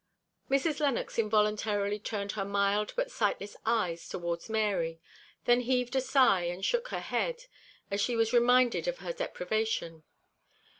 Mrs. Lennox involuntarily turned her mild but sightless eyes towards Mary, then heaved a sigh and shook her head, as she was reminded of her deprivation.